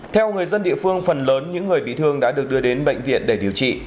theo người dân địa phương phần lớn những người bị thương đã được đưa đến bệnh viện để điều trị